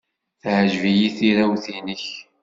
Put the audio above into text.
Teɛjeb-iyi tirawt-nnek.